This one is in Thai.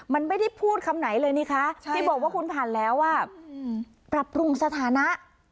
มันไม่ได้พูดคำไหนเลยนี่คะที่บอกว่าคุณผ่านแล้วปรับปรุงสถานะ